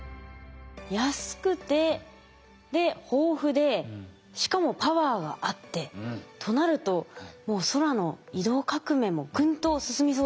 安くて豊富でしかもパワーがあってとなるともう空の移動革命もぐんと進みそうですね。